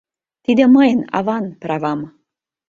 Тиде мыйын, аван, правам.